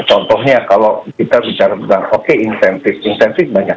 contohnya kalau kita bicara tentang oke insentif insentif banyak